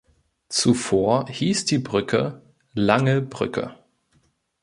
Zuvor hieß die Brücke "Lange Brücke".